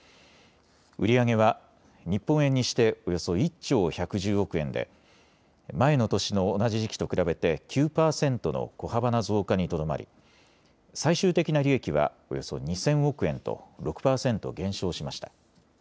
売り上げは日本円にしておよそ１兆１１０億円で前の年の同じ時期と比べて９％の小幅な増加にとどまり最終的な利益はおよそ２０００億円と６％減少しました。